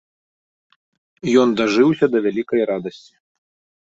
Ён дажыўся да вялікай радасці.